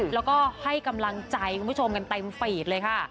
แล้วก็ให้กำลังใจคุณผู้ชมกันเต็มฟีดเลยค่ะ